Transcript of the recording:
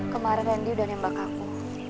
kemarin randy udah nembak aku